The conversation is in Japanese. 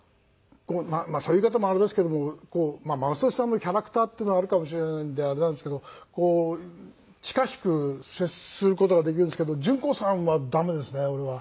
そういう言い方もあれですけども雅俊さんのキャラクターというのもあるかもしれないんであれなんですけどこう近しく接する事ができるんですけど淳子さんはダメですね俺は。